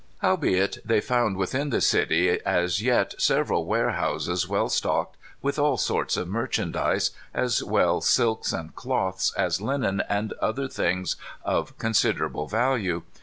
Howbeit, they found within the city, as yet, several warehouses well stocked with all sorts of merchandise, as well silks and cloths as linen and other things of considerable value.